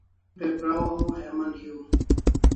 Kirik pe praw haw heman hiu